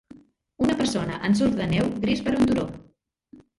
Una persona en surf de neu gris per un turó